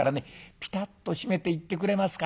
ピタッと閉めていってくれますか。